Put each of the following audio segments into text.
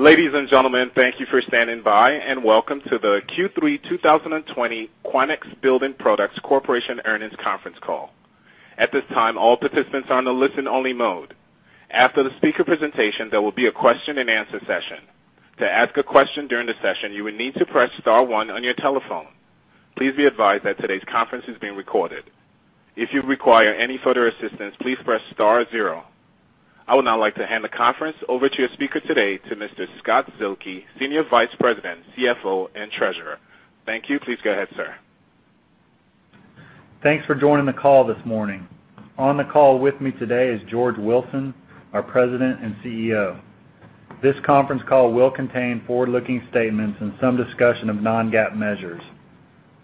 Ladies and gentlemen, thank you for standing by, and welcome to the Q3 2020 Quanex Building Products Corporation Earnings Conference Call. At this time, all participants are on a listen-only mode. After the speaker presentation, there will be a question and answer session. To ask a question during the session, you would need to press star one on your telephone. Please be advised that today's conference is being recorded. If you require any further assistance, please press star zero. I would now like to hand the conference over to your speaker today, to Mr. Scott Zuehlke, Senior Vice President, CFO, and Treasurer. Thank you. Please go ahead, sir. Thanks for joining the call this morning. On the call with me today is George Wilson, our President and CEO. This conference call will contain forward-looking statements and some discussion of non-GAAP measures.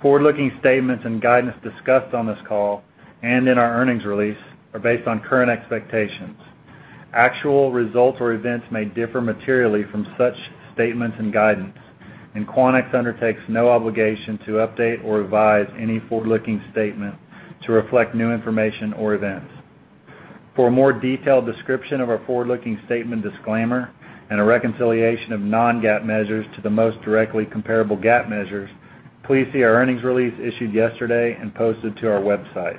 Forward-looking statements and guidance discussed on this call and in our earnings release are based on current expectations. Actual results or events may differ materially from such statements and guidance. Quanex undertakes no obligation to update or revise any forward-looking statement to reflect new information or events. For a more detailed description of our forward-looking statement disclaimer and a reconciliation of non-GAAP measures to the most directly comparable GAAP measures, please see our earnings release issued yesterday and posted to our website.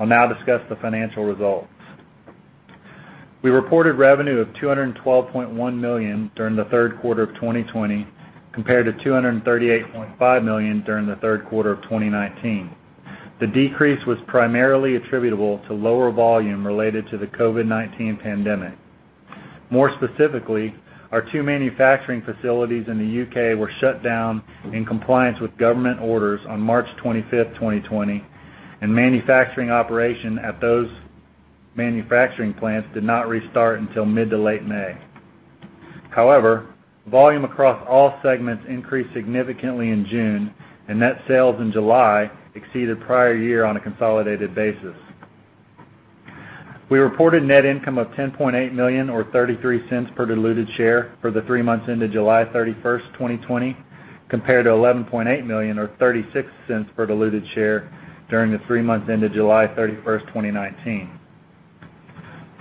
I'll now discuss the financial results. We reported revenue of $212.1 million during the third quarter of 2020, compared to $238.5 million during the third quarter of 2019. The decrease was primarily attributable to lower volume related to the COVID-19 pandemic. More specifically, our two manufacturing facilities in the U.K. were shut down in compliance with government orders on March 25th, 2020, and manufacturing operation at those manufacturing plants did not restart until mid to late May. However, volume across all segments increased significantly in June, and net sales in July exceeded prior year on a consolidated basis. We reported net income of $10.8 million, or $0.33 per diluted share, for the three months ended July 31st, 2020, compared to $11.8 million, or $0.36 per diluted share, during the three months ended July 31st, 2019.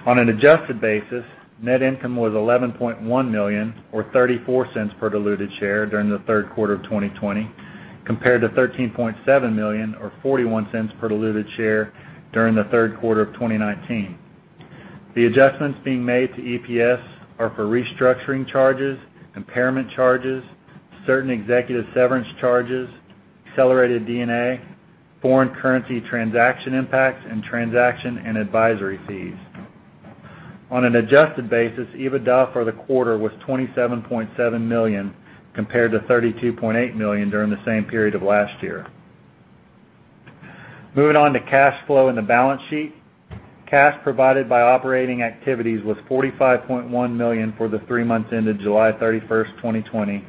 On an adjusted basis, net income was $11.1 million, or $0.34 per diluted share, during the third quarter of 2020, compared to $13.7 million, or $0.41 per diluted share, during the third quarter of 2019. The adjustments being made to EPS are for restructuring charges, impairment charges, certain executive severance charges, accelerated D&A, foreign currency transaction impacts, and transaction and advisory fees. On an adjusted basis, EBITDA for the quarter was $27.7 million, compared to $32.8 million during the same period of last year. Moving on to cash flow and the balance sheet. Cash provided by operating activities was $45.1 million for the three months ended July 31st, 2020,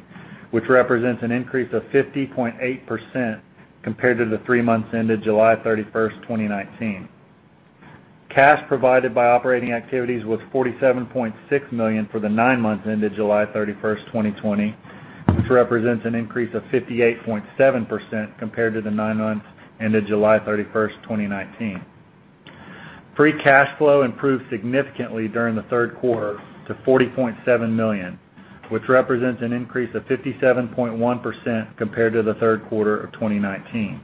which represents an increase of 50.8% compared to the three months ended July 31st, 2019. Cash provided by operating activities was $47.6 million for the nine months ended July 31st, 2020, which represents an increase of 58.7% compared to the nine months ended July 31st, 2019. Free cash flow improved significantly during the third quarter to $40.7 million, which represents an increase of 57.1% compared to the third quarter of 2019.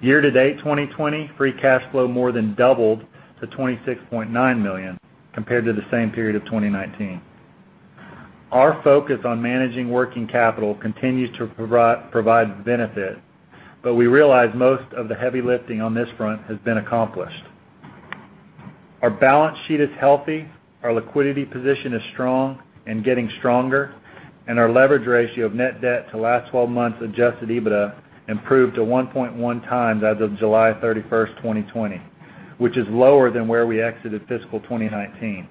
Year-to-date 2020, free cash flow more than doubled to $26.9 million compared to the same period of 2019. Our focus on managing working capital continues to provide benefit, but we realize most of the heavy lifting on this front has been accomplished. Our balance sheet is healthy, our liquidity position is strong and getting stronger, and our leverage ratio of net debt to last 12 months adjusted EBITDA improved to 1.1x as of July 31st, 2020, which is lower than where we exited fiscal 2019.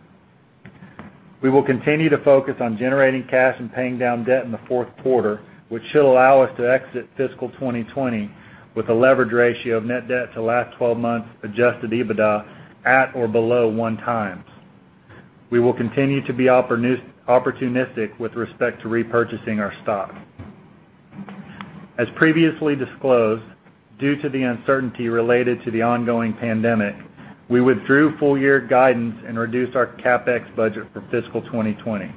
We will continue to focus on generating cash and paying down debt in the fourth quarter, which should allow us to exit fiscal 2020 with a leverage ratio of net debt to last 12 months adjusted EBITDA at or below 1x. We will continue to be opportunistic with respect to repurchasing our stock. As previously disclosed, due to the uncertainty related to the ongoing pandemic, we withdrew full-year guidance and reduced our capex budget for fiscal 2020.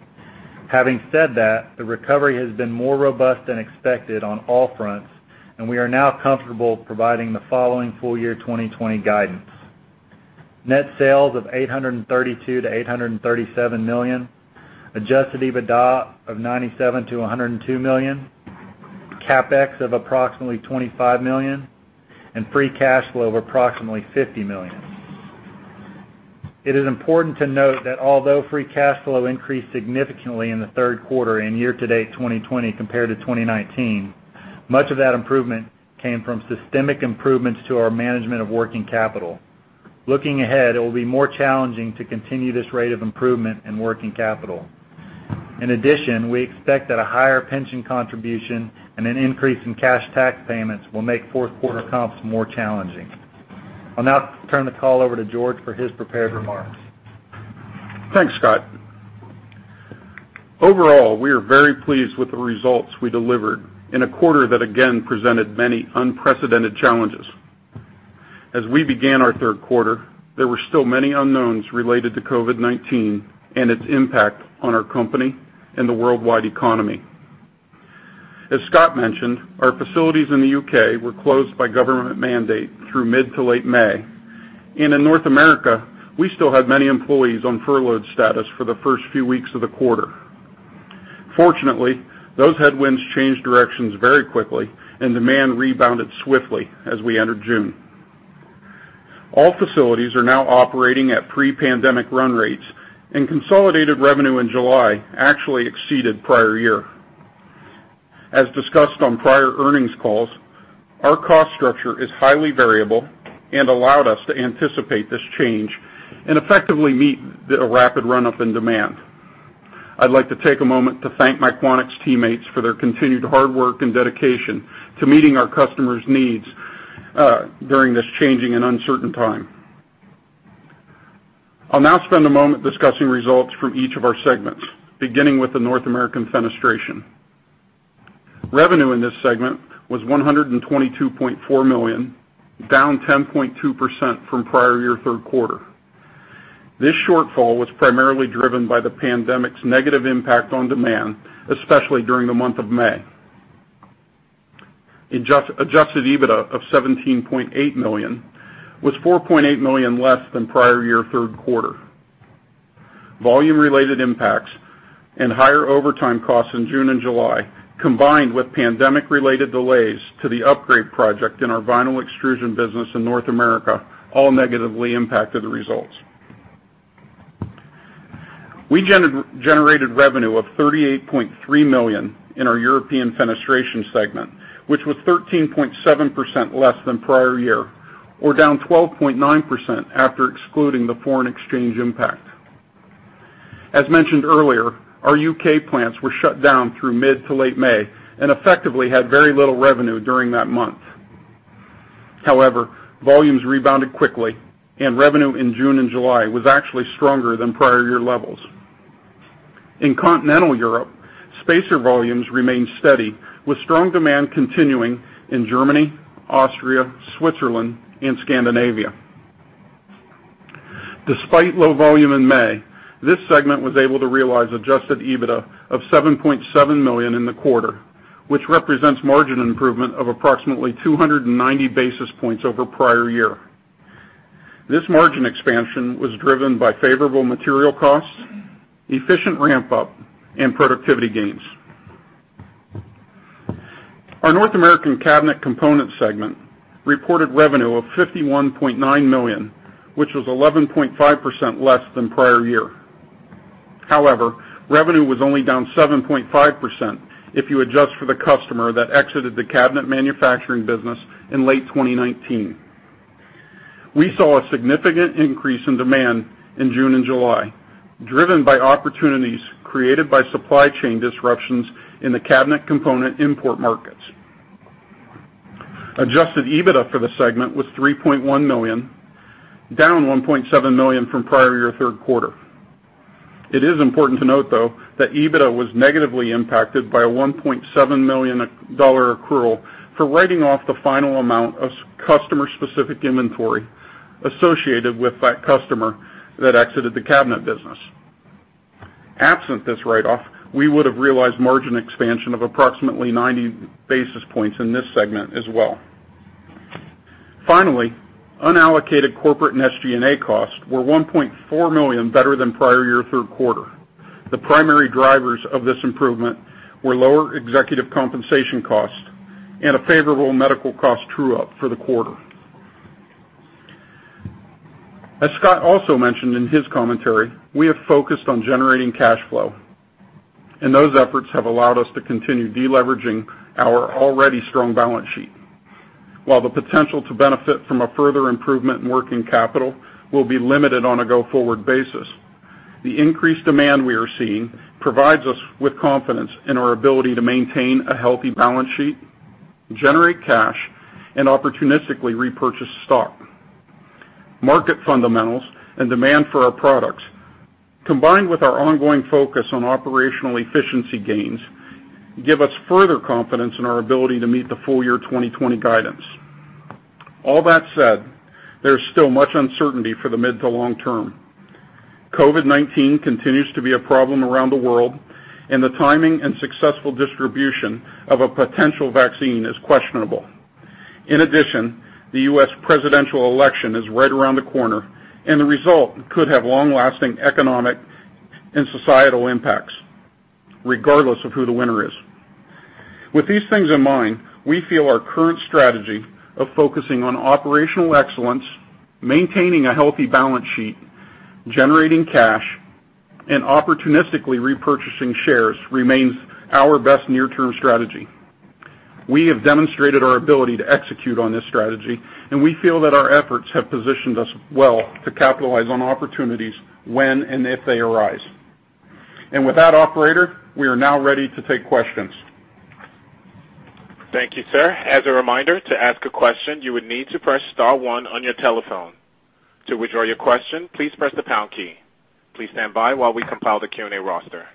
Having said that, the recovery has been more robust than expected on all fronts, and we are now comfortable providing the following full year 2020 guidance: net sales of $832 million-$837 million, adjusted EBITDA of $97 million-$102 million, capex of approximately $25 million, and free cash flow of approximately $50 million. It is important to note that although free cash flow increased significantly in the third quarter and year-to-date 2020 compared to 2019, much of that improvement came from systemic improvements to our management of working capital. Looking ahead, it will be more challenging to continue this rate of improvement in working capital. In addition, we expect that a higher pension contribution and an increase in cash tax payments will make fourth quarter comps more challenging. I'll now turn the call over to George for his prepared remarks. Thanks, Scott. Overall, we are very pleased with the results we delivered in a quarter that again presented many unprecedented challenges. As we began our third quarter, there were still many unknowns related to COVID-19 and its impact on our company and the worldwide economy. As Scott mentioned, our facilities in the U.K. were closed by government mandate through mid to late May. In North America, we still had many employees on furlough status for the first few weeks of the quarter. Fortunately, those headwinds changed directions very quickly, and demand rebounded swiftly as we entered June. All facilities are now operating at pre-pandemic run rates, and consolidated revenue in July actually exceeded prior year. As discussed on prior earnings calls, our cost structure is highly variable and allowed us to anticipate this change and effectively meet the rapid run-up in demand. I'd like to take a moment to thank my Quanex teammates for their continued hard work and dedication to meeting our customers' needs during this changing and uncertain time. I'll now spend a moment discussing results from each of our segments, beginning with the North American Fenestration. Revenue in this segment was $122.4 million, down 10.2% from prior year third quarter. This shortfall was primarily driven by the pandemic's negative impact on demand, especially during the month of May. Adjusted EBITDA of $17.8 million was $4.8 million less than prior year third quarter. Volume-related impacts and higher overtime costs in June and July, combined with pandemic-related delays to the upgrade project in our vinyl extrusion business in North America, all negatively impacted the results. We generated revenue of $38.3 million in our European Fenestration segment, which was 13.7% less than prior year, or down 12.9% after excluding the foreign exchange impact. As mentioned earlier, our U.K. plants were shut down through mid to late May and effectively had very little revenue during that month. However, volumes rebounded quickly, and revenue in June and July was actually stronger than prior year levels. In continental Europe, spacer volumes remained steady, with strong demand continuing in Germany, Austria, Switzerland, and Scandinavia. Despite low volume in May, this segment was able to realize adjusted EBITDA of $7.7 million in the quarter, which represents margin improvement of approximately 290 basis points over prior year. This margin expansion was driven by favourable material costs, efficient ramp-up, and productivity gains. Our North American Cabinet Components segment reported revenue of $51.9 million, which was 11.5% less than prior year. However, revenue was only down 7.5% if you adjust for the customer that exited the cabinet manufacturing business in late 2019. We saw a significant increase in demand in June and July, driven by opportunities created by supply chain disruptions in the cabinet component import markets. Adjusted EBITDA for the segment was $3.1 million, down $1.7 million from prior year third quarter. It is important to note, though, that EBITDA was negatively impacted by a $1.7 million accrual for writing off the final amount of customer-specific inventory associated with that customer that exited the cabinet business. Absent this write-off, we would have realized margin expansion of approximately 90 basis points in this segment as well. Un-allocated corporate and SG&A costs were $1.4 million, better than prior year third quarter. The primary drivers of this improvement were lower executive compensation costs and a favourable medical cost true-up for the quarter. As Scott also mentioned in his commentary, we have focused on generating cash flow, and those efforts have allowed us to continue deleveraging our already strong balance sheet. While the potential to benefit from a further improvement in working capital will be limited on a go-forward basis, the increased demand we are seeing provides us with confidence in our ability to maintain a healthy balance sheet, generate cash, and opportunistically repurchase stock. Market fundamentals and demand for our products, combined with our ongoing focus on operational efficiency gains, give us further confidence in our ability to meet the full year 2020 guidance. All that said, there is still much uncertainty for the mid to long term. COVID-19 continues to be a problem around the world, and the timing and successful distribution of a potential vaccine is questionable. In addition, the U.S. presidential election is right around the corner, and the result could have long-lasting economic and societal impacts, regardless of who the winner is. With these things in mind, we feel our current strategy of focusing on operational excellence, maintaining a healthy balance sheet, generating cash, and opportunistically repurchasing shares remains our best near-term strategy. We have demonstrated our ability to execute on this strategy, and we feel that our efforts have positioned us well to capitalize on opportunities when and if they arise. With that, operator, we are now ready to take questions. Thank you sir, as a reminder to ask a question you will need to press star one on your telephone. To withdraw you question please press the pound key. Please stand by while we compile the Q&A roster.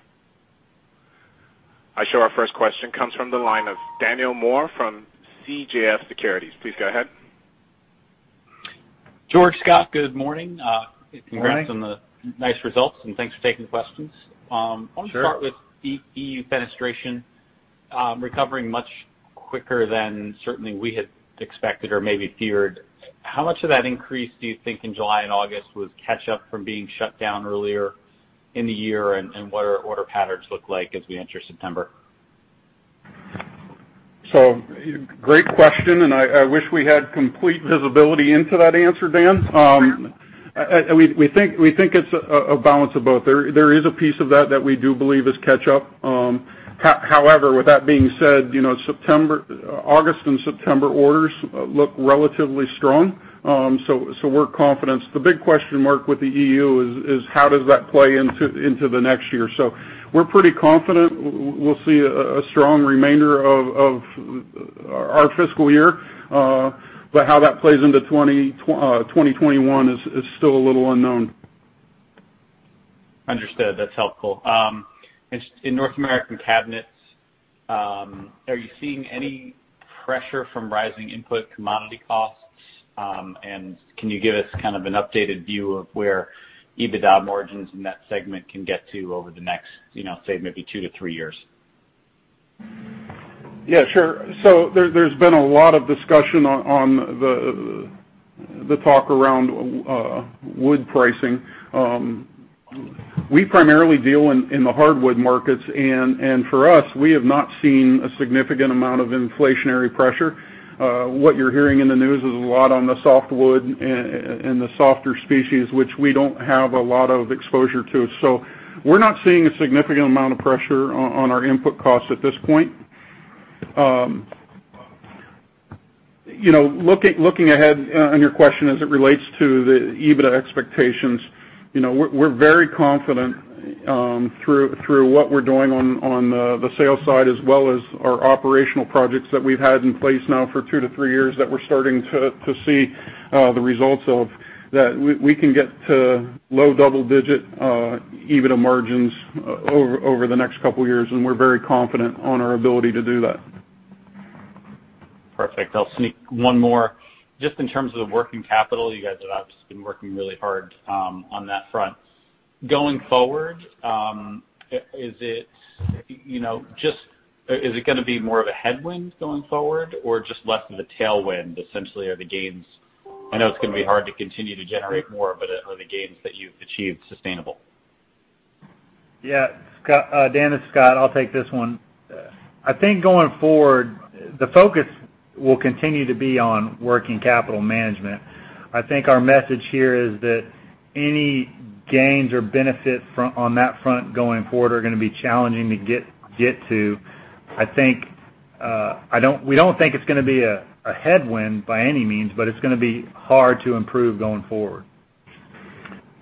I show our first question comes from the line of Daniel Moore from CJS Securities. Please go ahead. George, Scott, good morning. Good morning. Congrats on the nice results, and thanks for taking questions. Sure. I want to start with EU Fenestration recovering much quicker than certainly we had expected or maybe feared. What are order patterns look like as we enter September? Great question, and I wish we had complete visibility into that answer, Dan. We think it's a balance of both. There is a piece of that we do believe is catch-up. However, with that being said, August and September orders look relatively strong. We're confident. The big question mark with the EU is how does that play into the next year. We're pretty confident we'll see a strong remainder of our fiscal year. How that plays into 2021 is still a little unknown. Understood. That's helpful. In North American Cabinets, are you seeing any pressure from rising input commodity costs? Can you give us kind of an updated view of where EBITDA margins in that segment can get to over the next, say, maybe 2-3 years? Yeah, sure. There's been a lot of discussion on the talk around wood pricing. We primarily deal in the hardwood markets, and for us, we have not seen a significant amount of inflationary pressure. What you're hearing in the news is a lot on the softwood and the softer species, which we don't have a lot of exposure to. We're not seeing a significant amount of pressure on our input costs at this point. Looking ahead on your question as it relates to the EBITDA expectations, we're very confident through what we're doing on the sales side, as well as our operational projects that we've had in place now for 2-3 years that we're starting to see the results of. That we can get to low double-digit EBITDA margins over the next couple of years, and we're very confident on our ability to do that. Perfect. I'll sneak one more. Just in terms of working capital, you guys have obviously been working really hard on that front. Going forward, is it going to be more of a headwind going forward or just less of a tailwind? Essentially, are the gains, I know it's going to be hard to continue to generate more, but are the gains that you've achieved sustainable? Yeah. Dan, it's Scott. I'll take this one. I think going forward, the focus will continue to be on working capital management. I think our message here is that any gains or benefits on that front going forward are going to be challenging to get to. We don't think it's going to be a headwind by any means, but it's going to be hard to improve going forward.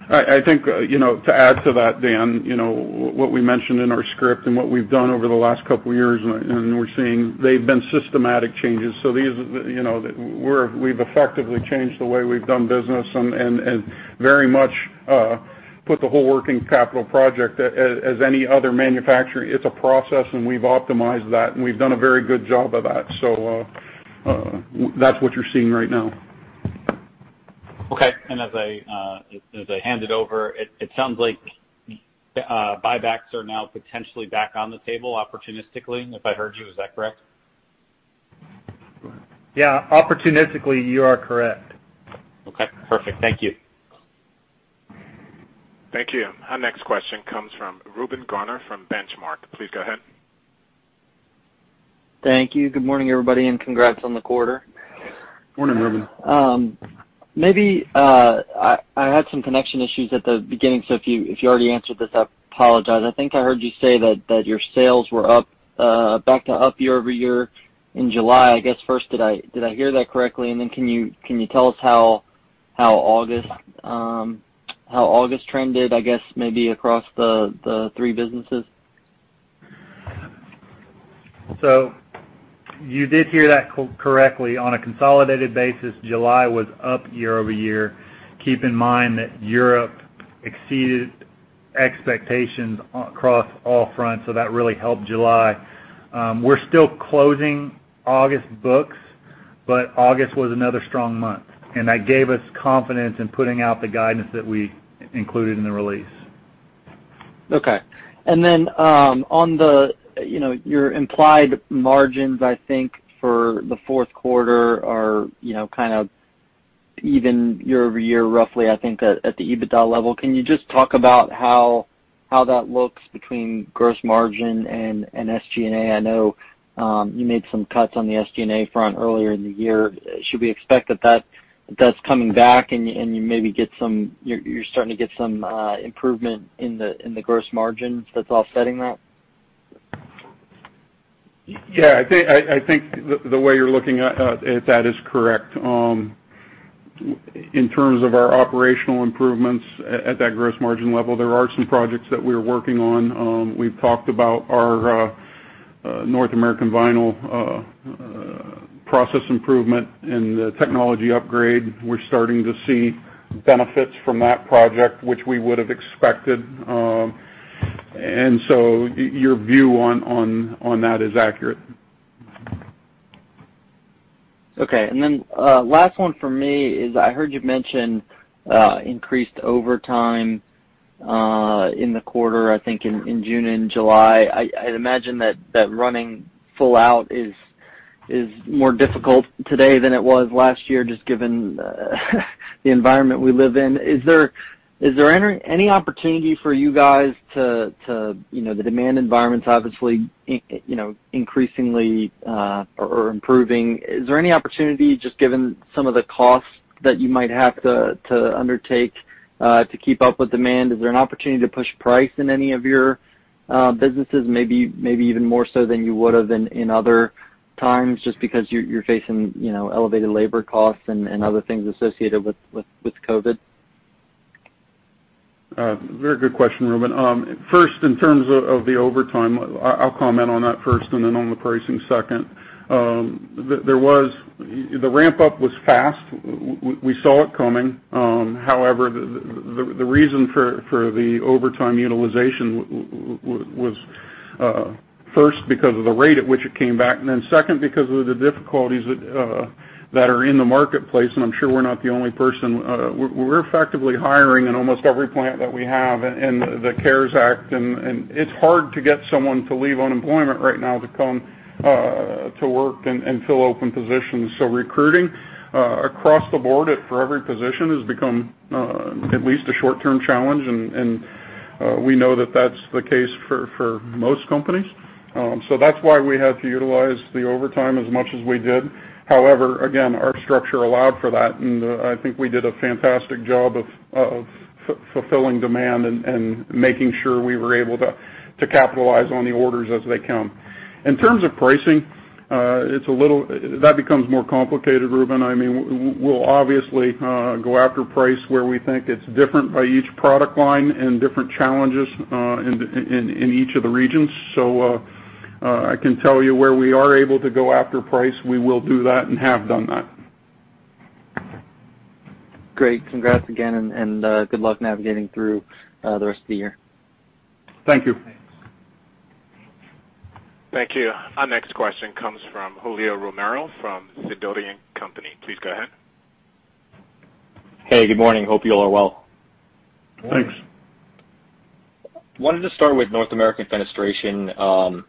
I think, to add to that, Dan, what we mentioned in our script and what we've done over the last couple of years, we're seeing they've been systematic changes. We've effectively changed the way we've done business and very much put the whole working capital project as any other manufacturer. It's a process, we've optimized that, we've done a very good job of that. That's what you're seeing right now. Okay. As I hand it over, it sounds like buybacks are now potentially back on the table opportunistically, if I heard you. Is that correct? Yeah. Opportunistically, you are correct. Okay. Perfect. Thank you. Thank you. Our next question comes from Reuben Garner from Benchmark. Please go ahead. Thank you. Good morning, everybody, and congrats on the quarter. Morning, Reuben. Maybe, I had some connection issues at the beginning, so if you already answered this, I apologize. I think I heard you say that your sales were back to up year-over-year in July. I guess first, did I hear that correctly? Can you tell us how August trended, I guess, maybe across the three businesses? You did hear that correctly. On a consolidated basis, July was up year-over-year. Keep in mind that Europe exceeded expectations across all fronts, so that really helped July. We're still closing August books, but August was another strong month, and that gave us confidence in putting out the guidance that we included in the release. Okay. On your implied margins, I think for the fourth quarter are kind of even year-over-year, roughly, I think at the EBITDA level. Can you just talk about how that looks between gross margin and SG&A? I know you made some cuts on the SG&A front earlier in the year. Should we expect that that's coming back, and you're starting to get some improvement in the gross margin that's offsetting that? Yeah. I think the way you're looking at that is correct. In terms of our operational improvements at that gross margin level, there are some projects that we're working on. We've talked about our North American Vinyl Process improvement and the technology upgrade. We're starting to see benefits from that project, which we would've expected. Your view on that is accurate. Okay. Last one from me is, I heard you mention increased overtime in the quarter, I think in June and July. I'd imagine that running full out is more difficult today than it was last year, just given the environment we live in. The demand environment's obviously increasingly improving. Is there any opportunity, just given some of the costs that you might have to undertake, to keep up with demand? Is there an opportunity to push price in any of your businesses, maybe even more so than you would've in other times, just because you're facing elevated labor costs and other things associated with COVID? Very good question, Reuben. First, in terms of the overtime, I'll comment on that first and then on the pricing second. The ramp-up was fast. We saw it coming. However, the reason for the overtime utilization was, first, because of the rate at which it came back, and then second, because of the difficulties that are in the marketplace, and I'm sure we're not the only person. We're effectively hiring in almost every plant that we have in the CARES Act, and it's hard to get someone to leave unemployment right now to come to work and fill open positions. Recruiting across the board for every position has become at least a short-term challenge, and we know that that's the case for most companies. That's why we had to utilize the overtime as much as we did. However, again, our structure allowed for that, and I think we did a fantastic job of fulfilling demand and making sure we were able to capitalize on the orders as they come. In terms of pricing, that becomes more complicated, Reuben. We'll obviously go after price where we think it's different by each product line and different challenges in each of the regions. I can tell you where we are able to go after price, we will do that and have done that. Great. Congrats again, and good luck navigating through the rest of the year. Thank you. Thank you. Our next question comes from Julio Romero from Sidoti & Company. Please go ahead. Hey, good morning. Hope you all are well. Thanks. Wanted to start with North American Fenestration.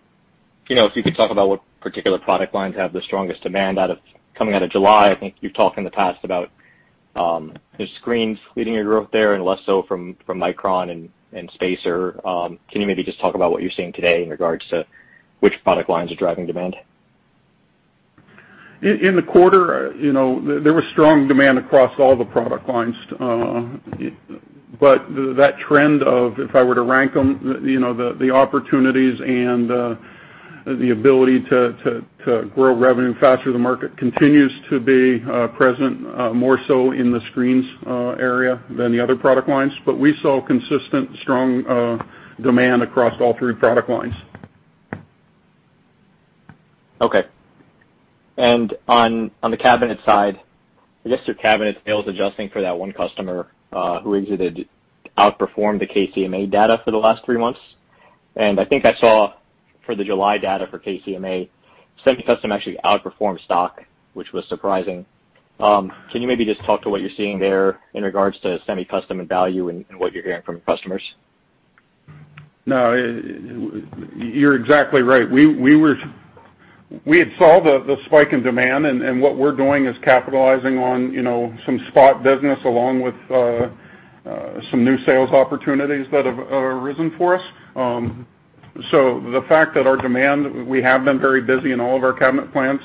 If you could talk about what particular product lines have the strongest demand coming out of July. I think you've talked in the past about the screens leading your growth there, and less so from MikronWood and Spacer. Can you maybe just talk about what you're seeing today in regards to which product lines are driving demand? In the quarter, there was strong demand across all the product lines. That trend of, if I were to rank them, the opportunities and the ability to grow revenue faster than the market continues to be present, more so in the screens area than the other product lines. We saw consistent, strong demand across all three product lines. Okay. On the cabinet side, I guess your cabinet sales, adjusting for that one customer who exited, outperformed the KCMA data for the last three months. I think I saw for the July data for KCMA, semi-custom actually outperformed stock, which was surprising. Can you maybe just talk to what you're seeing there in regards to semi-custom and value and what you're hearing from your customers? No. You're exactly right. We had saw the spike in demand, what we're doing is capitalizing on some spot business along with some new sales opportunities that have arisen for us. The fact that our demand, we have been very busy in all of our cabinet plants.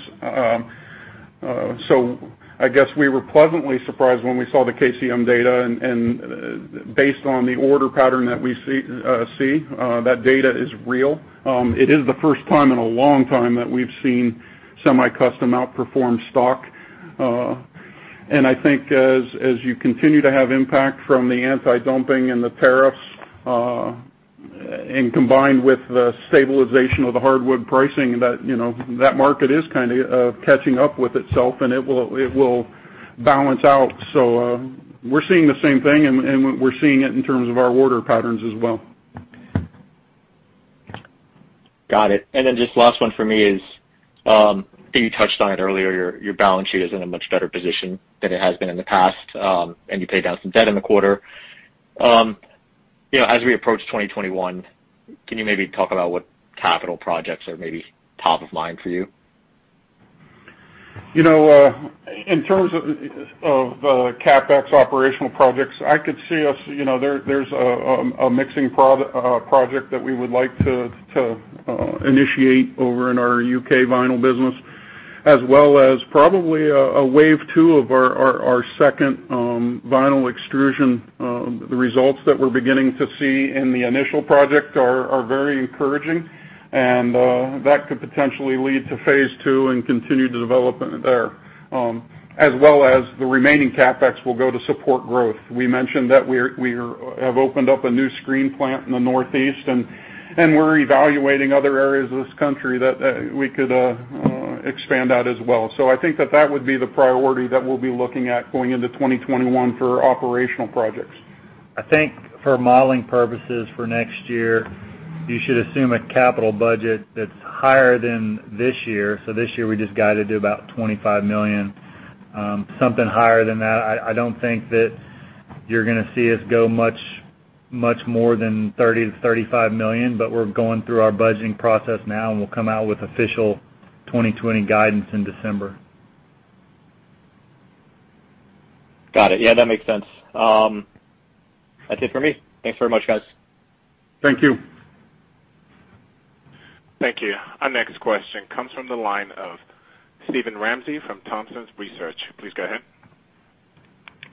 I guess we were pleasantly surprised when we saw the KCMA data, based on the order pattern that we see, that data is real. It is the first time in a long time that we've seen semi-custom outperform stock. I think as you continue to have impact from the anti-dumping and the tariffs, combined with the stabilization of the hardwood pricing, that market is kind of catching up with itself, it will balance out. We're seeing the same thing, we're seeing it in terms of our order patterns as well. Got it. Just last one from me is, I think you touched on it earlier, your balance sheet is in a much better position than it has been in the past, and you paid down some debt in the quarter. As we approach 2021, can you maybe talk about what capital projects are maybe top of mind for you? In terms of CapEx operational projects, there's a mixing project that we would like to initiate over in our U.K. vinyl business, as well as probably a wave two of our second vinyl extrusion. The results that we're beginning to see in the initial project are very encouraging, and that could potentially lead to phase two and continued development there. As well as the remaining CapEx will go to support growth. We mentioned that we have opened up a new screen plant in the Northeast. We're evaluating other areas of this country that we could expand out as well. I think that that would be the priority that we'll be looking at going into 2021 for operational projects. I think for modeling purposes for next year, you should assume a capital budget that's higher than this year. This year, we just guided to about $25 million. Something higher than that, I don't think that you're going to see us go much more than $30 million to $35 million. We're going through our budgeting process now, and we'll come out with official 2020 guidance in December. Got it. Yeah, that makes sense. That's it for me. Thanks very much, guys. Thank you. Thank you. Our next question comes from the line of Steven Ramsey from Thompson Research Group. Please go ahead.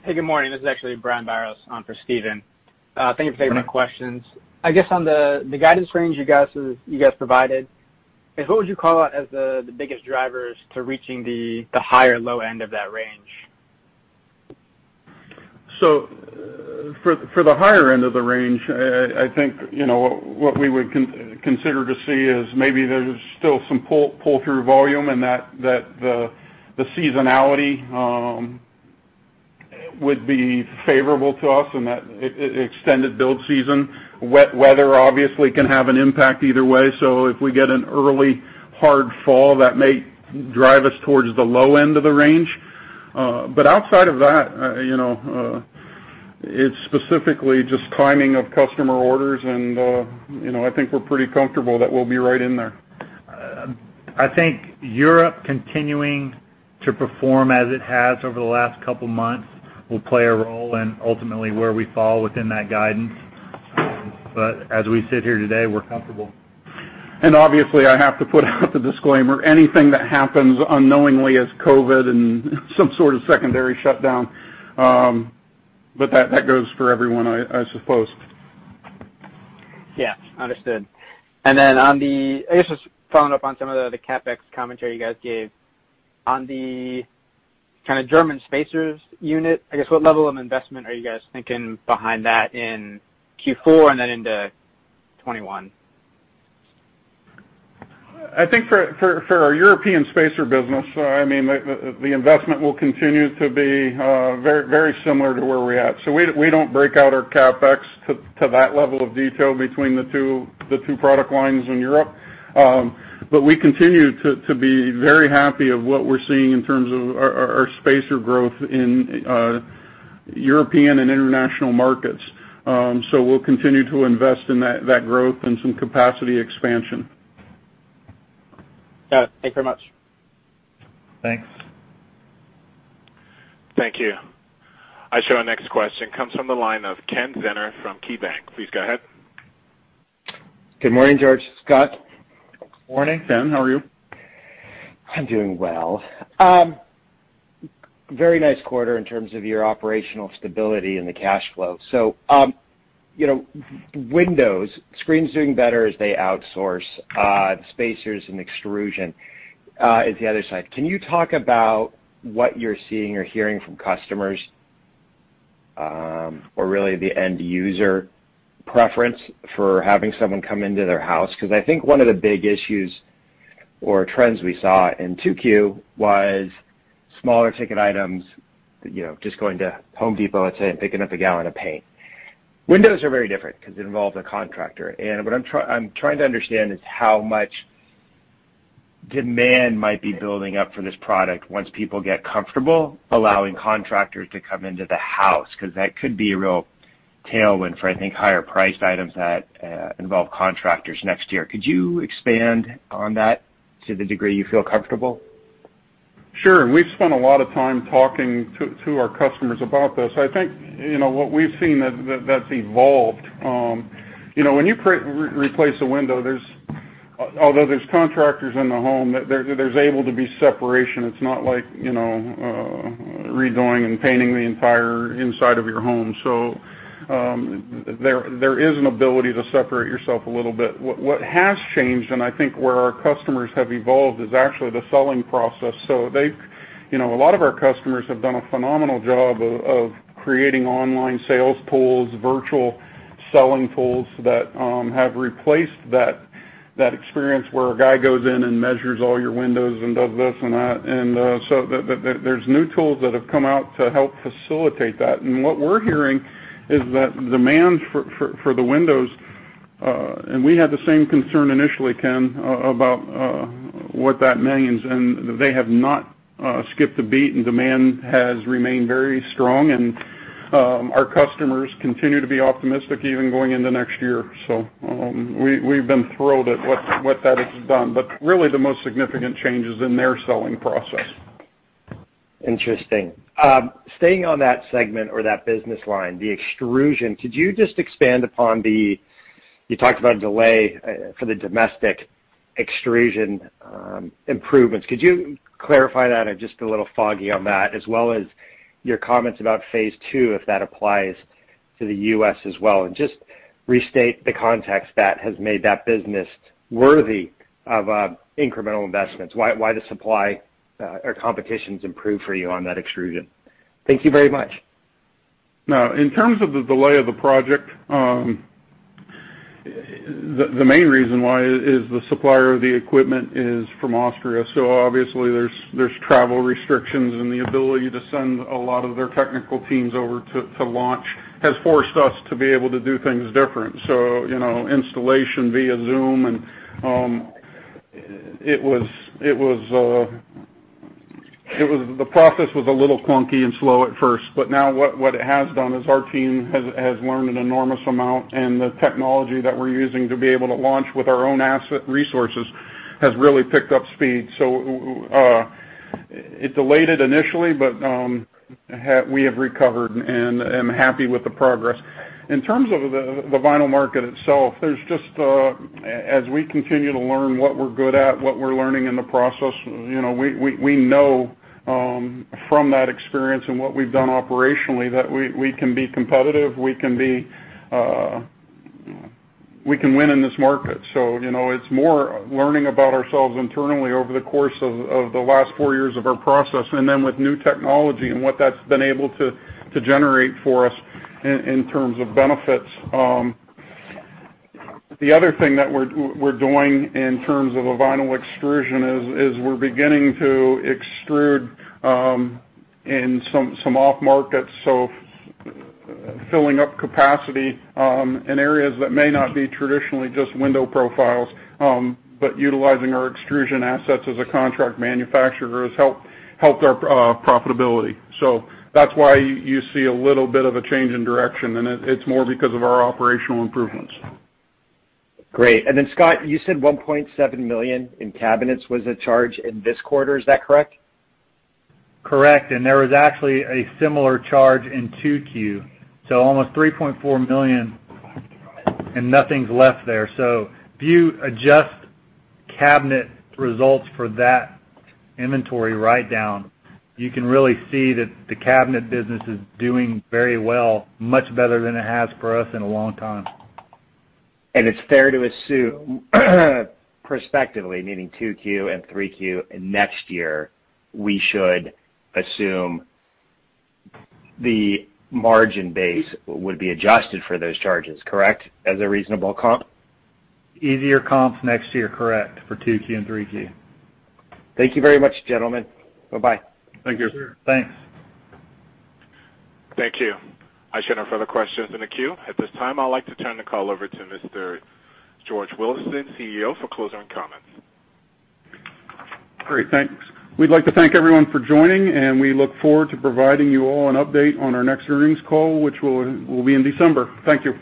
Hey, good morning. This is actually Brian Biros on for Steven. Thank you for taking my questions. I guess, on the guidance range you guys provided, what would you call out as the biggest drivers to reaching the high or low end of that range? For the higher end of the range, I think what we would consider to see is maybe there's still some pull-through volume, and that the seasonality would be favorable to us and that extended build season. Wet weather obviously can have an impact either way, so if we get an early hard fall, that may drive us towards the low end of the range. Outside of that, it's specifically just timing of customer orders, and I think we're pretty comfortable that we'll be right in there. I think Europe continuing to perform as it has over the last couple of months will play a role in ultimately where we fall within that guidance. As we sit here today, we're comfortable. Obviously, I have to put out the disclaimer, anything that happens unknowingly as COVID and some sort of secondary shutdown, but that goes for everyone, I suppose. Yeah, understood. I guess just following up on some of the CapEx commentary you guys gave. On the kind of German spacers unit, I guess, what level of investment are you guys thinking behind that in Q4 and then into 2021? I think for our European spacer business, the investment will continue to be very similar to where we're at. We don't break out our CapEx to that level of detail between the two product lines in Europe. We continue to be very happy of what we're seeing in terms of our spacer growth in European and international markets. We'll continue to invest in that growth and some capacity expansion. Got it. Thank you very much. Thanks. Thank you. I show our next question comes from the line of Ken Zener from KeyBanc. Please go ahead. Good morning, George, Scott. Morning, Ken. How are you? I'm doing well. Very nice quarter in terms of your operational stability and the cash flow. Windows, screen's doing better as they outsource, spacers and extrusion is the other side. Can you talk about what you're seeing or hearing from customers or really the end user preference for having someone come into their house? I think one of the big issues or trends we saw in 2Q was smaller ticket items, just going to The Home Depot, let's say, and picking up a gallon of paint. Windows are very different because it involves a contractor. What I'm trying to understand is how much demand might be building up for this product once people get comfortable allowing contractors to come into the house, because that could be a real tailwind for, I think, higher priced items that involve contractors next year. Could you expand on that to the degree you feel comfortable? Sure. We've spent a lot of time talking to our customers about this. I think what we've seen, that's evolved. When you replace a window, although there's contractors in the home, there's able to be separation. It's not like redoing and painting the entire inside of your home. There is an ability to separate yourself a little bit. What has changed, and I think where our customers have evolved, is actually the selling process. A lot of our customers have done a phenomenal job of creating online sales tools, virtual selling tools that have replaced that experience where a guy goes in and measures all your windows and does this and that. There's new tools that have come out to help facilitate that. What we're hearing is that demand for the windows, and we had the same concern initially, Ken, about what that means, and they have not skipped a beat, and demand has remained very strong, and our customers continue to be optimistic even going into next year. We've been thrilled at what that has done. Really, the most significant change is in their selling process. Interesting. Staying on that segment or that business line, the extrusion, could you just expand upon you talked about a delay for the domestic extrusion improvements. Could you clarify that? I'm just a little foggy on that, as well as your comments about phase II, if that applies to the U.S. as well, and just restate the context that has made that business worthy of incremental investments. Why the supply or competition's improved for you on that extrusion? Thank you very much. No. In terms of the delay of the project, the main reason why is the supplier of the equipment is from Austria, so obviously there's travel restrictions and the ability to send a lot of their technical teams over to launch has forced us to be able to do things different. Installation via Zoom, and the process was a little clunky and slow at first, but now what it has done is our team has learned an enormous amount, and the technology that we're using to be able to launch with our own asset resources has really picked up speed. It delayed it initially, but we have recovered and I'm happy with the progress. In terms of the vinyl market itself, as we continue to learn what we're good at, what we're learning in the process, we know from that experience and what we've done operationally that we can be competitive, we can win in this market. It's more learning about ourselves internally over the course of the last four years of our process, and then with new technology and what that's been able to generate for us in terms of benefits. The other thing that we're doing in terms of a vinyl extrusion is we're beginning to extrude in some off markets, so filling up capacity in areas that may not be traditionally just window profiles, but utilizing our extrusion assets as a contract manufacturer has helped our profitability. That's why you see a little bit of a change in direction, and it's more because of our operational improvements. Great. Scott, you said $1.7 million in cabinets was the charge in this quarter. Is that correct? Correct. There was actually a similar charge in Q2, so almost $3.4 million, and nothing's left there. If you adjust cabinet results for that inventory write-down, you can really see that the cabinet business is doing very well, much better than it has for us in a long time. It's fair to assume, prospectively, meaning Q2 and Q3 next year, we should assume the margin base would be adjusted for those charges, correct? As a reasonable comp? Easier comps next year, correct, for Q2 and Q3. Thank you very much, gentlemen. Bye-bye. Thank you. Sure. Thanks. Thank you. I show no further questions in the queue. At this time, I'd like to turn the call over to Mr. George Wilson, CEO, for closing comments. Great. Thanks. We'd like to thank everyone for joining. We look forward to providing you all an update on our next earnings call, which will be in December. Thank you.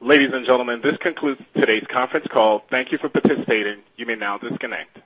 Ladies and gentlemen, this concludes today's conference call. Thank you for participating. You may now disconnect.